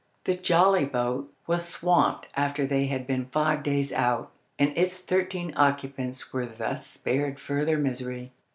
The "jolly boat" was swamped after they had been five days out, and its thirteen occupants were thus spared further misery.